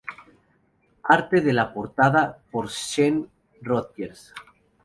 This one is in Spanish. Arte de la portada por Sean Rodgers